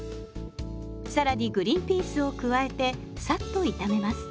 更にグリンピースを加えてさっと炒めます。